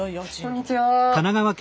こんにちは。